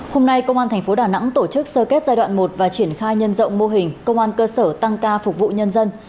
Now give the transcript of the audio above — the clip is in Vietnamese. hôm nay công an thành phố đà nẵng tổ chức sơ kết giai đoạn một và triển khai nhân rộng mô hình công an cơ sở tăng ca phục vụ nhân dân